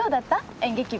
演劇部。